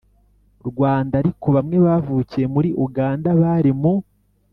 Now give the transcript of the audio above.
rwanda ariko bamwe bavukiye muri uganda, bari mu